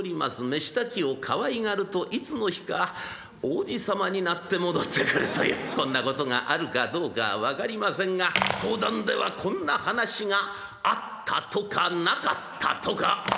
飯炊きをかわいがるといつの日か王子様になって戻ってくるというこんなことがあるかどうか分かりませんが講談ではこんな話があったとかなかったとか。